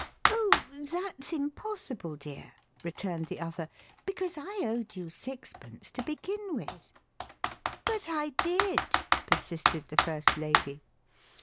"Oh, that's impossible, dear," returned the other, "because I owed you sixpence to begin with." "But I did," persisted the first lady.